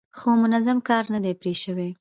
خو منظم کار نه دی پرې شوی.